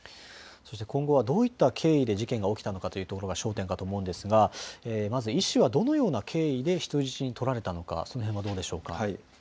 今後はどういった経緯で事件が起きたのかというところが焦点かと思いますが医師はどのような経緯で人質に取られたのか、その辺りはどうでしょうか。